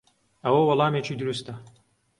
ئەوە وەڵامێکی دروستە.